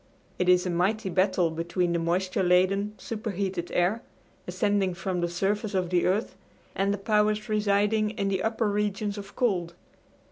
It is a mighty battle between the moisture laden, superheated air, ascending from the surface of the earth, and the powers residing in the upper regions of cold.